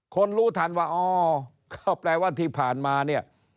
รู้ทันว่าอ๋อก็แปลว่าที่ผ่านมาเนี่ย